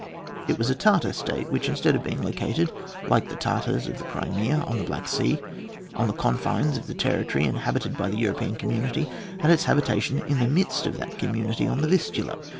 It was a Tartar state, which instead of being located, like the Tartars of the Crimea, on the Black Sea, on the confines of the territory inhabited by the European commnnity, had its habitation in the midst of Uiat community on the Vistula.